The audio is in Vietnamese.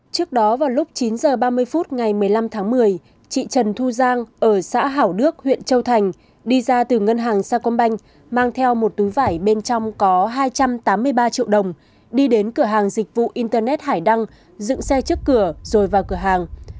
trước đó vào lúc chín h ba mươi phút ngày một mươi năm tháng một mươi chị trần thu giang ở xã hảo đức huyện châu thành đi ra từ ngân hàng sacombank mang theo một túi vải bên trong có hai trăm tám mươi ba triệu đồng đi đến cửa hàng dịch vụ internet hải đăng dựng xe trước cửa rồi vào cửa hàng